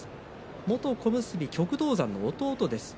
元小結旭道山の弟です。